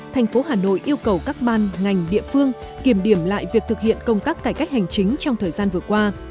thành phố hà nội yêu cầu các ban ngành địa phương kiểm điểm lại việc thực hiện công tác cải cách hành chính trong thời gian vừa qua